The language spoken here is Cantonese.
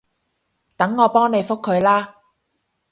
等我幫你覆佢啦